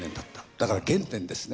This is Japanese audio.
だから原点ですね